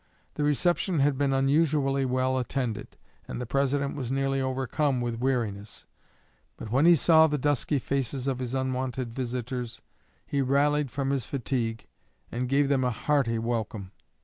The reception had been unusually well attended, and the President was nearly overcome with weariness; but when he saw the dusky faces of his unwonted visitors, he rallied from his fatigue and gave them a hearty welcome.